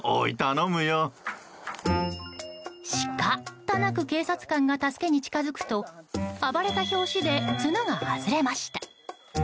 シカたなく警察官が助けに近づくと暴れた拍子で角が外れました。